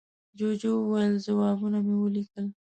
جوجو وویل، ځوابونه مې وليکل.